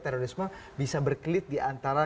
terorisme bisa berkelit diantara